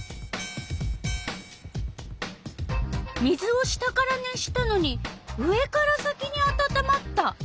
水を下から熱したのに上から先にあたたまった。